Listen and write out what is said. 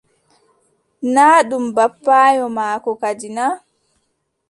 Naa ɗum bappaayo maako kadi na.